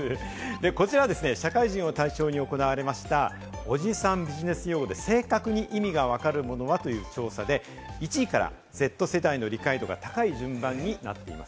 こちらは社会人を対象に行われました、おじさんビジネス用語で正確に意味が分かるものは？という調査で１位からＺ世代の理解度が高い順番になっています。